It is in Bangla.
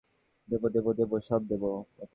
দেব দেব দেব, সব দেব।